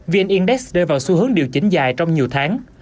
vn index đưa vào xu hướng điều chỉnh dài trong nhiều tháng